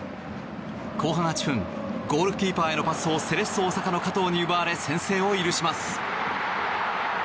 後半８分、ゴールキーパーへのパスをセレッソ大阪の加藤に奪われ先制を許します。